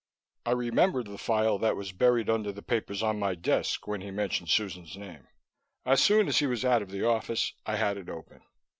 I remembered the file that was buried under the papers on my desk, when he mentioned Susan's name. As soon as he was out of the office, I had it open.